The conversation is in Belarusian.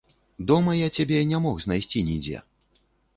Дома я цябе не мог знайсці нідзе.